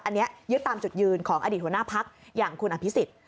อันนี้ยึดตามจุดยืนของอดีตหัวหน้าพักอย่างคุณอภิษฎ